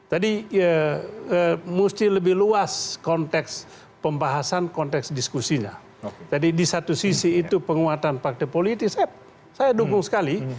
jadi di satu sisi itu penguatan partai politik saya dukung sekali